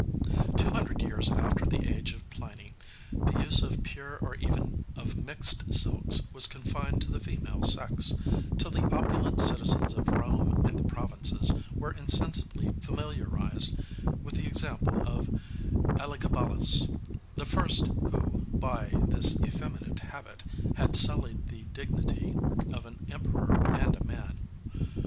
Two hundred years after the age of Pliny the use of pure or even of mixed silks was confined to the female sex, till the opulent citizens of Rome and the provinces were insensibly familiarized with the example of Elagabalus, the first who, by this effeminate habit, had sullied the dignity of an emperor and a man.